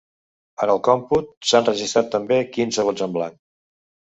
En el còmput s’han registrat també quinze vots en blanc.